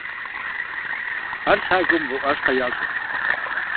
Ар лъагэу мывэ Ӏуащхьэ ящӀырт.